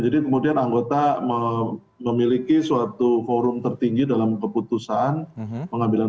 jadi kemudian anggota memiliki suatu forum tertinggi dalam keputusan pengambilan